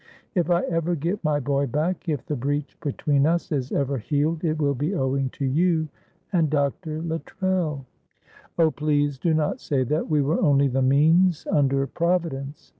If I ever get my boy back, if the breach between us is ever healed, it will be owing to you and Dr. Luttrell." "Oh, please do not say that, we were only the means under Providence."